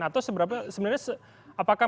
atau sebenarnya apakah